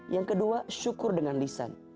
yang kedua syukur dengan lisan